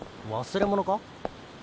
忘れ物か？